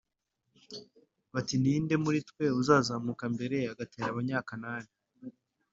bati “ni nde muri twe uzazamuka mbere agatera abanyakanani